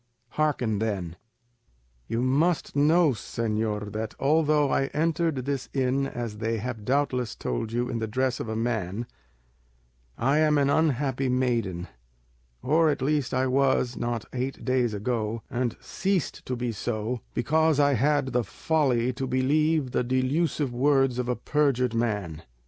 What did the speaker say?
Hearken then. "You must know, señor, that although I entered this inn, as they have doubtless told you, in the dress of a man, I am an unhappy maiden, or at least I was one not eight days ago, and ceased to be so, because I had the folly to believe the delusive words of a perjured man.